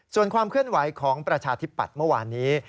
ส่วนความเคลื่อนไหวของประชาธิปัตย์เมื่อวานนี้